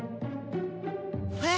えっ！